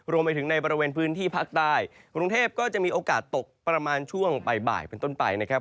รวมไปถึงในบริเวณพื้นที่ภาคใต้กรุงเทพก็จะมีโอกาสตกประมาณช่วงบ่ายเป็นต้นไปนะครับ